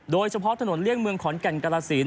โดยเฉพาะถนนเลี่ยงเมืองขอนแก่นกรสิน